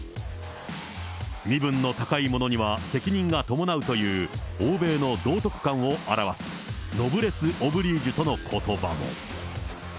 身分の高い者には責任が伴うという、欧米の道徳観を表す、ノブレス・オブリージュとのことばも。